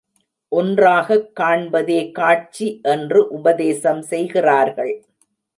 ஒன்றாகக் காண்பதே காட்சி என்று உபதேசம் செய்கிறார்கள்.